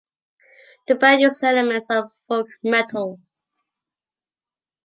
The band uses elements of folk metal.